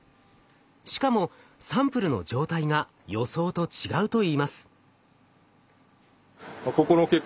しかもサンプルの状態が予想と違うといいます。